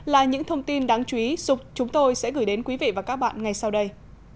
là những thông tin đáng chú ý sụp chúng tôi sẽ gửi đến quý vị và các bạn ngay sau đây